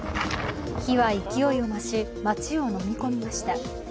火は勢いを増し、町をのみ込みました。